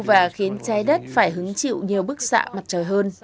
và khiến trái đất phải hứng chịu nhiều bức xạ mặt trời hơn